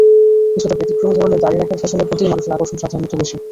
কিছুটা ব্যতিক্রমী ধরনের দাড়ি রাখার ফ্যাশনের প্রতিই মানুষের আকর্ষণ সাধারণত বেশি।